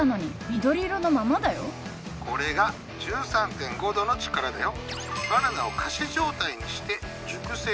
これが１３．５度の力だよ。